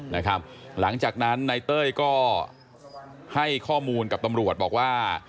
หลังจากนั้นนายเต้ยก็ให้ข้อมูลกับตำรวจบอกว่า